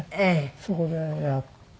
そこでやって。